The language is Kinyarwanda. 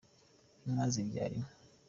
inka zibyara inka.